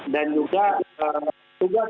dan juga tugas tugasnya